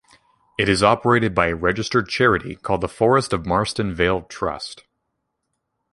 It is operated by a registered charity called the Forest of Marston Vale Trust.